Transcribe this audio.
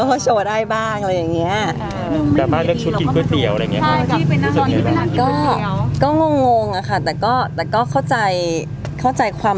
ต้องโชว์ได้บ้างแล้วอย่างนี้เราก็แต่งงานแล้วแต่ก็ต้องโชว์ได้บ้าง